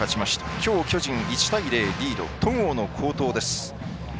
きょう巨人が１対０、リード戸郷の好投です。